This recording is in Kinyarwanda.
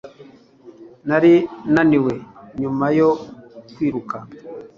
Nari naniwe nyuma yo kwiruka